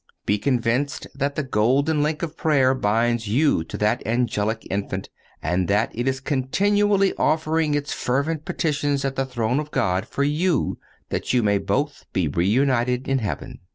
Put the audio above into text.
Be convinced that the golden link of prayer binds you to that angelic infant, and that it is continually offering its fervent petitions at the throne of God for you, that you may both be reunited in heaven.